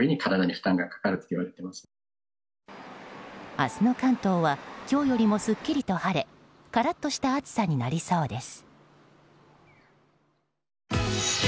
明日の関東は今日よりもスッキリと晴れカラッとした暑さになりそうです。